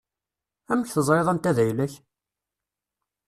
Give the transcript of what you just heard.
Amek teẓriḍ anta d ayla-k?